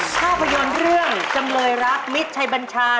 ภาพยนตร์เรื่องจำเลยรักมิตรชัยบัญชา